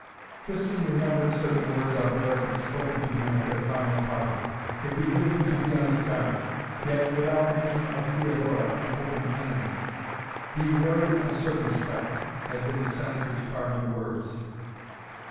Tristan remembered certain words Alberic had spoken to him at their final parting. It behooved him to be on his guard, yet without making of Theodora an open enemy. "Be wary and circumspect," had been the Senator's parting words.